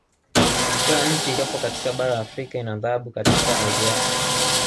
Kila nchi ilyopo katika bara la Afrika ina dhahabu katika ardhi yake